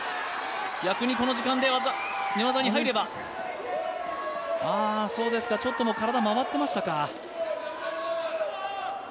逆にこの時間で寝技に入ればちょっと、体が回ってましたか。